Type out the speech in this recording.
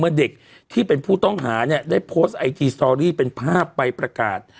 เด็กที่เป็นผู้ต้องหาเนี่ยได้โพสต์ไอจีสตอรี่เป็นภาพใบประกาศ